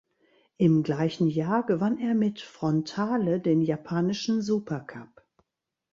Im gleichen Jahr gewann er mit Frontale den japanischen Supercup.